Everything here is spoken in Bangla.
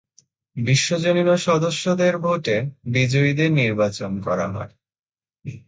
বিশ্বজনীন সদস্যদের ভোটে বিজয়ীদের নির্বাচন করা হয়।